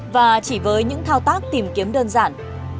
và chỉ với những thao tác tìm kiếm đơn giản